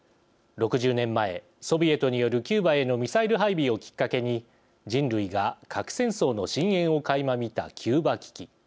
６０年前、ソビエトによるキューバへのミサイル配備をきっかけに人類が核戦争の深えんをかいま見たキューバ危機。